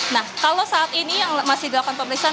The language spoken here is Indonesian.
nah kalau saat ini yang masih dilakukan pemeriksaan